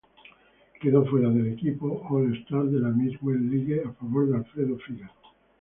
Quedó fuera del equipo All-Star de la Midwest League a favor de Alfredo Fígaro.